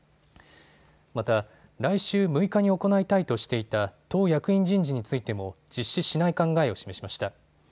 また、来週６日に行いたいとしていた党役員人事についても、実施しない考えを示しました。